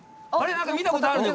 なんか見たことあるね